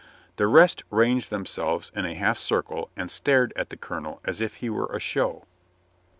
The rest ranged themselves in a half circle and stared at the colonel as if he were a show.